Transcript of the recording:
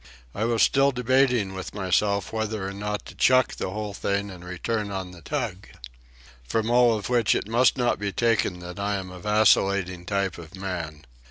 I was still debating with myself whether or not to chuck the whole thing and return on the tug. From all of which it must not be taken that I am a vacillating type of man.